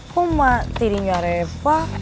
kok mati rinya reva